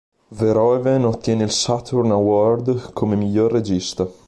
Verhoeven ottiene il Saturn Award come miglior regista.